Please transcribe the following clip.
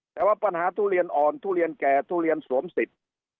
แต่ว่าปัญหาทุเรียนอ่อนทุเรียนแก่ทุเรียนสวมสิทธิ์